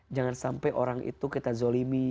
jangan sampai orang itu kita zolimi